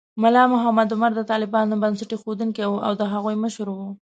ملا محمد عمر د طالبانو بنسټ ایښودونکی و او د هغوی مشر و.